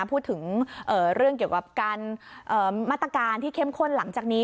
พูดถึงเรื่องเกี่ยวกับการมาตรการที่เข้มข้นหลังจากนี้